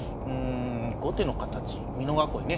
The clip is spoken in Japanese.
後手の形美濃囲いね